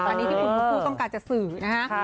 อันนี้ที่คุณชมพู่ต้องการจะสื่อนะฮะ